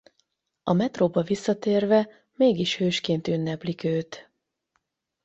A metróba visszatérve mégis hősként ünneplik őt.